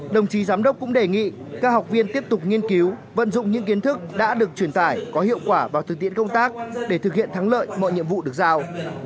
đồng chí giám đốc cũng đề nghị các học viên tiếp tục nghiên cứu vận dụng những kiến thức đã được truyền tải có hiệu quả vào thực tiễn công tác để thực hiện thắng lợi mọi nhiệm vụ được giao